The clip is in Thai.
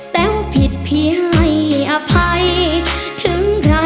แต้วผิดพี่ให้อภัยถึงใคร